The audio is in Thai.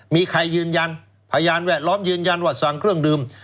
มีใครยืนยันพยานแวดล้อมยืนยันว่าสั่งเครื่องดื่ม